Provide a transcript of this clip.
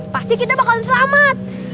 pasti kita bakalan selamat